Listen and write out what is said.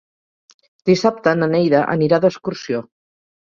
Dissabte na Neida anirà d'excursió.